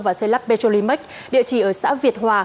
và xây lắp petrolimax địa chỉ ở xã việt hòa